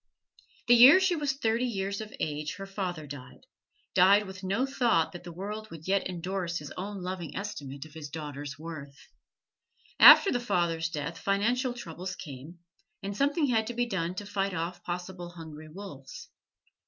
The year she was thirty years of age her father died died with no thought that the world would yet endorse his own loving estimate of his daughter's worth. After the father's death financial troubles came, and something had to be done to fight off possible hungry wolves.